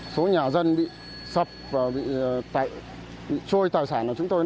số nhà dân bị sập và bị trôi tài sản của chúng tôi